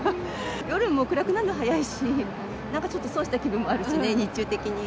夜も暗くなるの早いし、なんかちょっと損した気分もあるしね、日中的に。